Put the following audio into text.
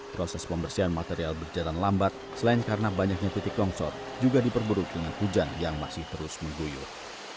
proses pembersihan material berjalan lambat selain karena banyaknya titik longsor juga diperburuk dengan hujan yang masih terus mengguyur